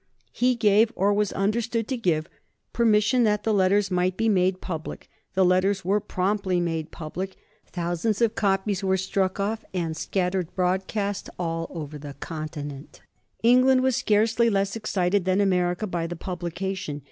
He gave, or was understood to give, permission that the letters might be made public. The letters were promptly made public. Thousands of copies were struck off and scattered broadcast all over the continent. [Sidenote: 1772 Temple and Whately fight a duel] England was scarcely less excited than America by the publication.